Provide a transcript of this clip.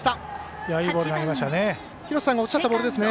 いいボール投げましたね。